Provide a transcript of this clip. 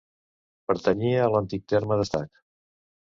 Pertanyia a l'antic terme d'Estac.